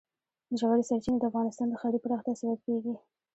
ژورې سرچینې د افغانستان د ښاري پراختیا سبب کېږي.